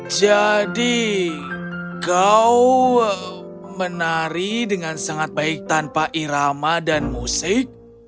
jadi kau menari dengan sangat baik tanpa irama dan musik